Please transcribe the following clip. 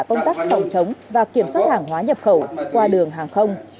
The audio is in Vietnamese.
công tác phòng chống và kiểm soát hàng hóa nhập khẩu qua đường hàng không